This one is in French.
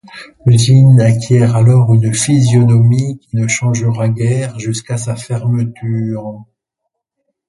L'usine acquiert alors une physionomie qui ne changera guère jusqu'à sa fermeture.